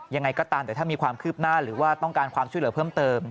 ยังไงก็ตามแต่ถ้ามีความคืบหน้าหรือว่าต้องการความช่วยเหลือเพิ่มเติม